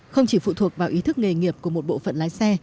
không chỉ phụ thuộc vào ý thức nghề nghiệp của một bộ phận lái xe